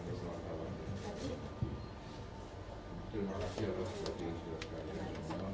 generasi atau seperti ini saya sekalian akan berbicara tentang